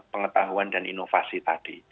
pengetahuan dan inovasi tadi